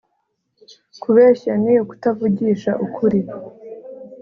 kubeshya ni ukutavugisha ukuri